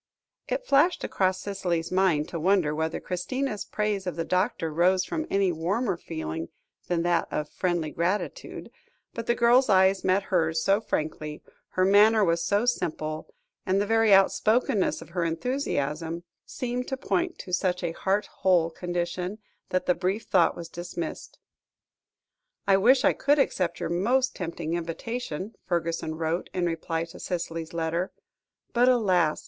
It flashed across Cicely's mind to wonder whether Christina's praise of the doctor rose from any warmer feeling than that of friendly gratitude, but the girl's eyes met hers so frankly, her manner was so simple, and the very outspokenness of her enthusiasm, seemed to point to such a heart whole condition, that the brief thought was dismissed. "I wish I could accept your most tempting invitation," Fergusson wrote, in reply to Cicely's letter; "but, alas!